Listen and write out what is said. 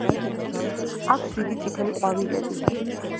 აქვს დიდი წითელი ყვავილები.